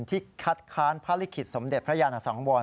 ที่คัดค้านพระลิขิตสมเด็จพระยานสังวร